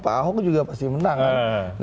pak ahok juga pasti menang kan